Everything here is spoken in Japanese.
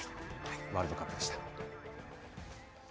ワールドカップでした。